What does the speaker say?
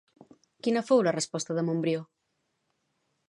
Quina fou la resposta de Montbrió?